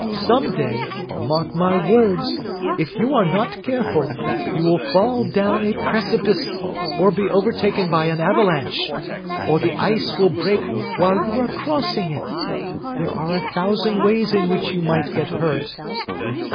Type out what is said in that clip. Some day, mark my words, if you are not careful, you will fall down a precipice, or be overtaken by an avalanche, or the ice will break while you are crossing it. There are a thousand ways in which you might get hurt."